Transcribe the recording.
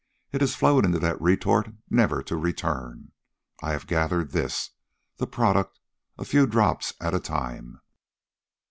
It has flowed into that retort, never to return. I have gathered this, the product, a few drops at a time.